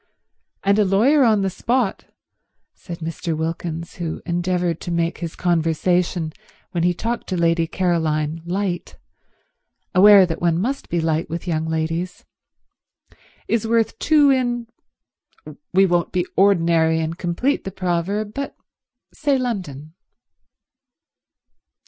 And a lawyer on the spot," said Mr. Wilkins, who endeavoured to make his conversation when he talked to Lady Caroline light, aware that one must be light with young ladies, "is worth two in—we won't be ordinary and complete the proverb, but say London."